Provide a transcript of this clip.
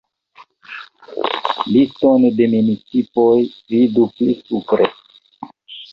Liston de municipoj vidu pli supre.